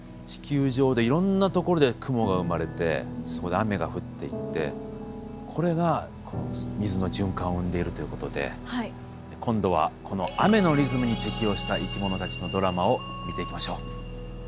地球上でいろんな所で雲が生まれてそこで雨が降っていってこれが水の循環を生んでいるということで今度はこの雨のリズムに適応した生き物たちのドラマを見ていきましょう。